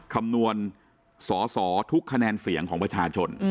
คำนวณสอสอทุกคะแนนเสียงของประชาชน